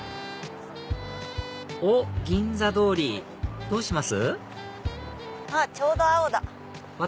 おっ銀座通り！どうします？